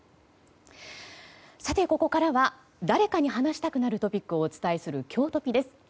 ここからは誰かに話したくなるトピックをお伝えするきょうトピです。